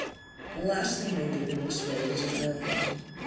The last thing they did in this way was an elephant.